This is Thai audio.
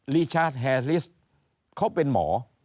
ลีชาร์จแฮลิสเขาเป็นหมอ